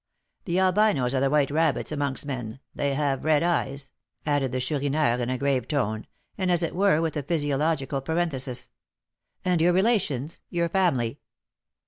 The Albinos are the white rabbits amongst men; they have red eyes," added the Chourineur, in a grave tone, and, as it were, with a physiological parenthesis. "And your relations? your family?"